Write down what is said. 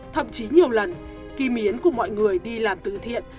thậm chí nhiều lần kim yến cùng mọi người đi làm tự thiện